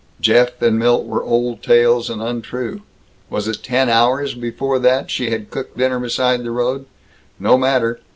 Jeff and Milt were old tales, and untrue. Was it ten hours before that she had cooked dinner beside the road? No matter.